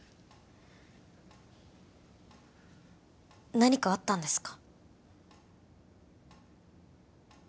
何かあったんですか？